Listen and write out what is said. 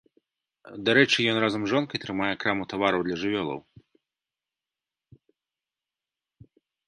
Дарэчы, ён разам з жонкай трымае краму тавараў для жывёлаў.